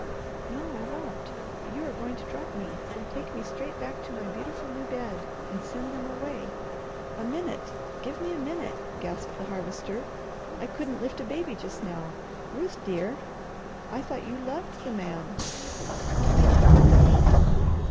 "No, I won't! But you are going to drop me. Take me straight back to my beautiful new bed, and send them away." "A minute! Give me a minute!" gasped the Harvester. "I couldn't lift a baby just now. Ruth, dear, I thought you LOVED the man." "What made you think so?"